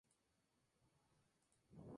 La capilla de St.